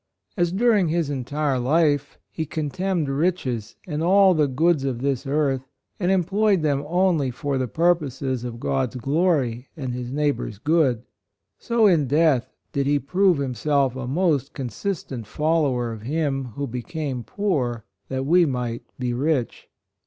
As during his entire life, he contemned riches and all the goods of this earth, and employed them only for the purposes of God's glory and his neighbor's good, so in death did he prove himself a most consistent 137 138 HIS HAPPY DEATH follower of Him, " who became poor that we might be rich."